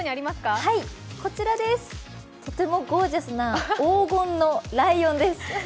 こちらです、とてもゴージャスな黄金のライオンです。